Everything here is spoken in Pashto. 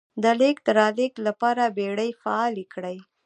د لېږد رالېږد لپاره بېړۍ فعالې کړې.